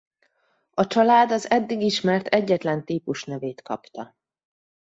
A család az eddig ismert egyetlen típus nevét kapta.